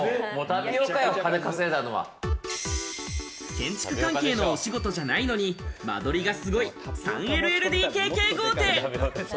建築関係のお仕事じゃないのに、間取りがすごい、３ＬＬＤＫＫ豪邸。